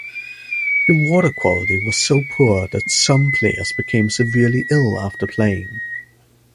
The water quality was so poor that some players became severely ill after playing.